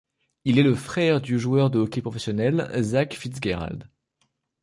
Il est le frère du joueur de hockey professionnel Zack Fitzgerald.